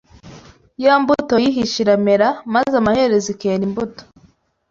ya mbuto yihishe iramera maze amaherezo ikera imbuto.